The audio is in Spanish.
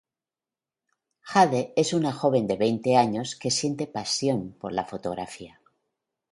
Jade es una joven de veinte años que siente pasión por la fotografía.